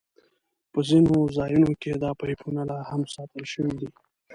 په ځینو ځایونو کې دا پایپونه لاهم ساتل شوي دي.